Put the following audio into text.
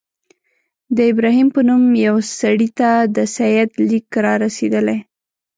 د ابراهیم په نوم یوه سړي ته د سید لیک را رسېدلی.